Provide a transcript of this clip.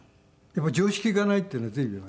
常識がないっていうのは随分。